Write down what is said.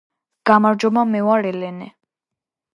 გამარჯობა მე ვარ ელენე